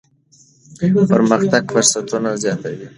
پرمختګ فرصتونه زیاتوي.